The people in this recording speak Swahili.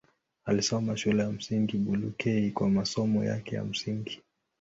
Alisoma Shule ya Msingi Bulekei kwa masomo yake ya msingi.